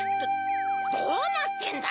どうなってんだ？